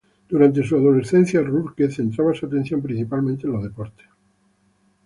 Durante su adolescencia, Rourke centraba su atención principalmente en los deportes.